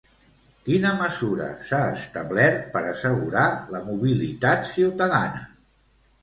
Quina mesura s'ha establert per assegurar la mobilitat ciutadana?